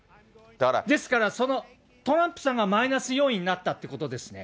ですから、トランプさんがマイナス要因になったということですね。